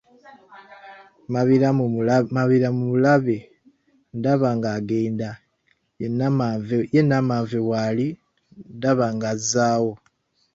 "Mabira mu mulabe, ndaba nga agenda, ye nnammanve waali, ndaba ng'azaawa."